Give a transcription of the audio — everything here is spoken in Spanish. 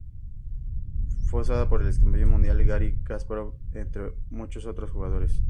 Fue usada por el ex campeón mundial Gary Kasparov entre muchos jugadores famosos.